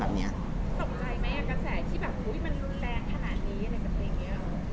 ตกใจไหมกระแสที่มันแรงขนาดนี้ในกับเพลงนี้